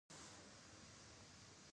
ایا زه باید د خولې اوبه وکاروم؟